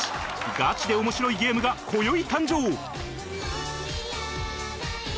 ガチで面白いゲームが今宵誕生！